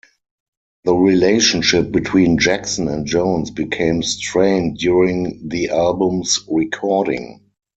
The relationship between Jackson and Jones became strained during the album's recording.